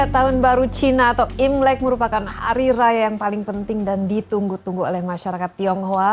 tahun baru cina atau imlek merupakan hari raya yang paling penting dan ditunggu tunggu oleh masyarakat tionghoa